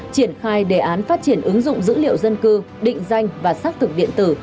triển khai đề án phát triển ứng dụng dữ liệu dân cư định danh và xác thực điện tử